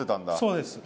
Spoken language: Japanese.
そうです。